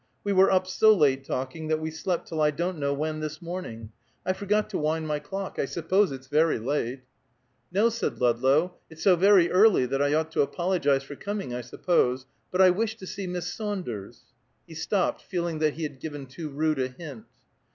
We were up so late talking, that we slept till I don't know when, this morning. I forgot to wind my clock. I suppose it's very late." "No," said Ludlow, "it's so very early that I ought to apologize for coming, I suppose. But I wished to see Miss Saunders " He stopped, feeling that he had given too rude a hint.